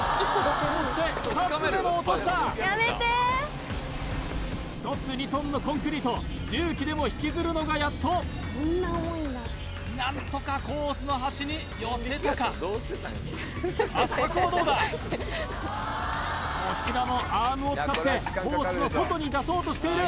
そして２つ目も落とした１つ２トンのコンクリート重機でも引きずるのがやっと何とかコースの端に寄せたかアスタコはどうだこちらもアームを使ってコースの外に出そうとしている